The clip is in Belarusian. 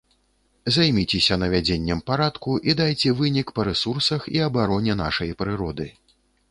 Займіцеся навядзеннем парадку і дайце вынік па рэсурсах і абароне нашай прыроды.